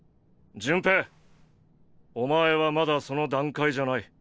潤平お前はまだその段階じゃない。